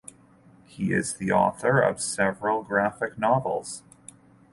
He is the author of several graphic novels.